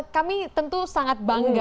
kami tentu sangat bangga